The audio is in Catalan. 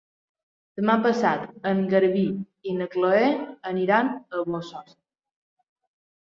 Demà passat en Garbí i na Chloé aniran a Bossòst.